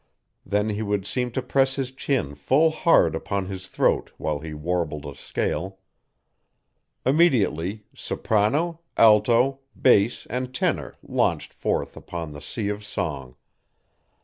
Then he would seem to press his chin full hard upon his throat while he warbled a scale. Immediately, soprano, alto, bass and tenor launched forth upon the sea of song.